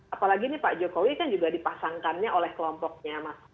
apalagi ini pak jokowi kan juga dipasangkannya oleh kelompoknya mas